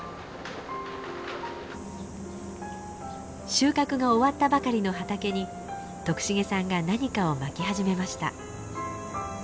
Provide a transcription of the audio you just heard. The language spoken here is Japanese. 収穫が終わったばかりの畑に徳重さんが何かをまき始めました。